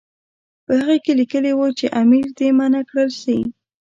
په هغه کې لیکلي وو چې امیر دې منع کړل شي.